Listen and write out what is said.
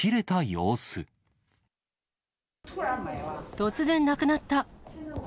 突然なくなった。